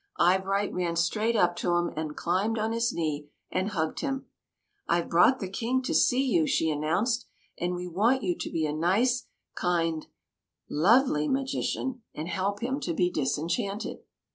Eyebright ran straight up to him and climbed on his knee and hugged him. '' I Ve brought the King to see you," she announced; '' and we want you to be a nice, kind, love/y magician and help him to be disenchanted."